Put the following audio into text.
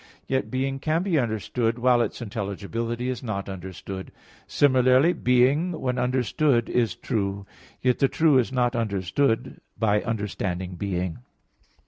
Yet being can be understood while its intelligibility is not understood. Similarly, being when understood is true, yet the true is not understood by understanding being.